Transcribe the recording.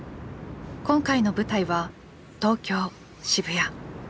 今回の舞台は東京・渋谷。